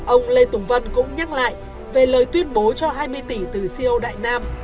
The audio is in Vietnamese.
ông lê tùng vân cũng nhắc lại về lời tuyên bố cho hai mươi tỷ từ siêu đại nam